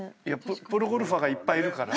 プロゴルファーがいっぱいいるから。